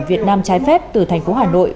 việt nam trái phép từ thành phố hà nội